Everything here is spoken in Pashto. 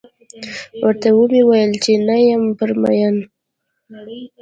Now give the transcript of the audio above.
ورته و مې ويل چې نه یم پرې مين.